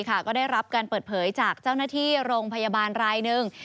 ก็ได้รับการเปิดเผยจากเจ้าหน้าที่โรงพยาบาลรายหนึ่ง